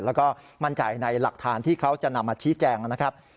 แล้วก็มั่นใจในหลักฐานที่เขาจะนำมาชี้แจงนะครับ